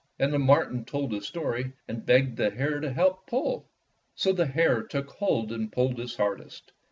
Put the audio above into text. And the marten told his story and begged the hare to help pull. So the hare took hold and pulled his hard est.